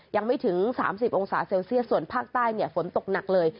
ยังไม่ถึง๓๐องศาเซลเซียสส่วนภาคใต้ฝนตกหนักเลย